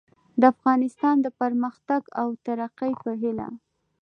د افغانستان د پرمختګ او ترقي په هیله